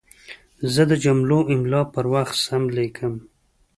زه د جملو املا پر وخت سم لیکم.